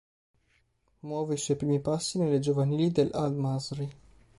Muove i suoi primi passi nelle giovanili dell'Al-Masry.